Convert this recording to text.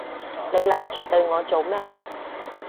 你諗住對我做咩？